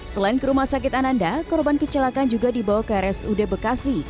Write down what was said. selain ke rumah sakit ananda korban kecelakaan juga dibawa ke rsud bekasi